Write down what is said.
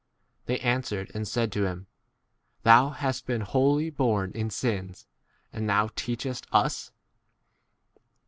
They answered and said to him, Thou * hast been wholly born in sins, and thou* teachest us